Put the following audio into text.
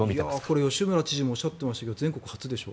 これ、吉村知事もおっしゃっていましたけど全国初でしょ。